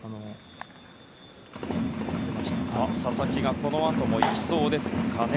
佐々木がこのあともいきそうですかね。